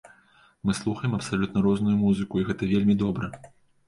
Мы слухаем абсалютна розную музыку і гэта вельмі добра!